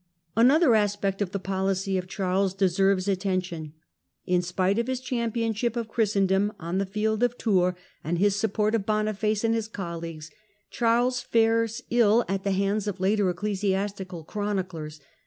Another aspect of the policy of Charles deserves ttention. In spite of his championship of Christendom n the field of Tours and his support of Boniface and lis colleagues, Charles fares ill at the hands of later cclesiastical chroniclers.